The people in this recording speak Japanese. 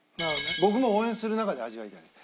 僕も応援する中で味わいたくて。